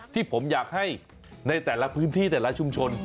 ที่ผมอยากให้ในแต่ละพื้นที่แต่ละชุมชน